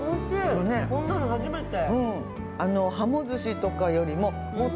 こんなの初めて。